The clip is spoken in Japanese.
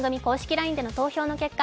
ＬＩＮＥでの投票の結果